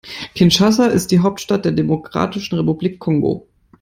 Kinshasa ist die Hauptstadt der Demokratischen Republik Kongo.